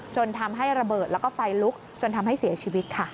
จนทำให้ระเบิดแล้วก็ไฟลุกจนทำให้เสียชีวิตค่ะ